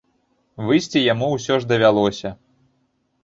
Выйсці яму ўсё ж давялося.